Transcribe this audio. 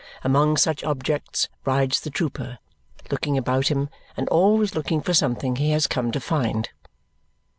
Among such objects rides the trooper, looking about him and always looking for something he has come to find.